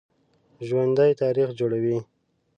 ژوندي تاریخ جوړوي